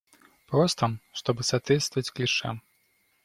Просто, чтобы соответствовать клише.